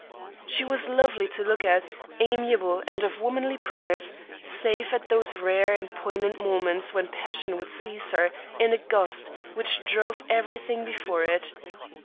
She was lovely to look at, amiable and of womanly promise save at those rare and poignant moments when passion would seize her in a gust which drove everything before it.